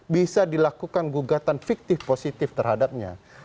bisa dilakukan gugatan fiktif positif terhadapnya